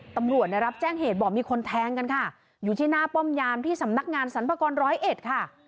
ตำรวจได้รับแจ้งเหตุบอกมีคนแทงกันค่ะอยู่ที่หน้าป้อมยามที่สำนักงานสรรพากรร้อยเอ็ดค่ะ